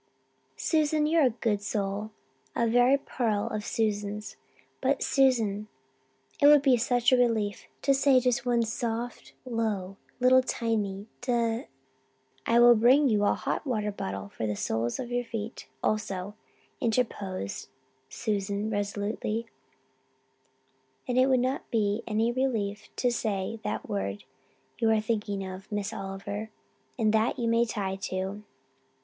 "Susan, you're a good soul a very pearl of Susans! But, Susan, it would be such a relief to say just one soft, low, little tiny d " "I will bring you a hot water bottle for the soles of your feet, also," interposed Susan resolutely, "and it would not be any relief to say that word you are thinking of, Miss Oliver, and that you may tie to."